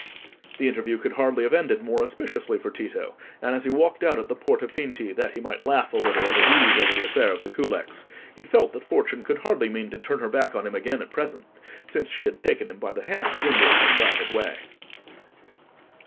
The interview could hardly have ended more auspiciously for Tito, and as he walked out at the Porta Pinti that he might laugh a little at his ease over the affair of the culex, he felt that fortune could hardly mean to turn her back on him again at present, since she had taken him by the hand in this decided way.